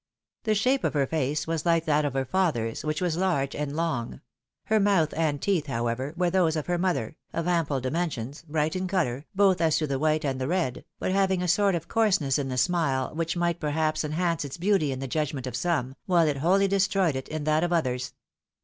The shape of her face was like that of her father's, which was large and long ; her mouth and teeth, however, were those of her mother, of ample dimensions, bright in colour, both as to the white and the red, but having a sort of coarseness in the smile, which might perhaps enhance its beauty in the judgment of some, while it wholly destroyed it in that of others.